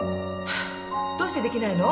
どうしてできないの？